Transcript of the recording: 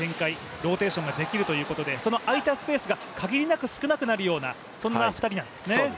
ローテーションができるということで空いたスペースが限りなく少なくなるようなそんな２人なんですね。